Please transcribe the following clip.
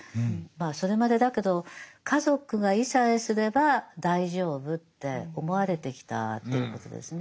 それまでだけど家族がいさえすれば大丈夫って思われてきたということですね。